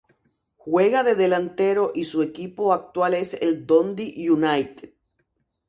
Juega de delantero y su equipo actual es el Dundee United.